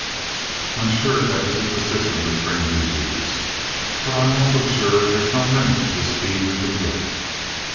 "I'm sure that isn't the system the Strangers use, but I'm also sure there's no limit to the speed we can get."